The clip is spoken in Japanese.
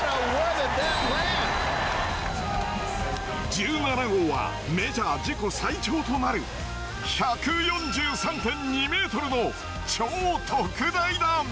１７号はメジャー自己最長となる１４３．２ｍの超特大弾。